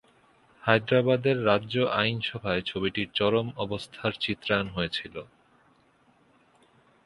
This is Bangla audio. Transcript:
হায়দরাবাদের রাজ্য আইনসভায় ছবিটির চরম অবস্থার চিত্রায়ন হয়েছিল।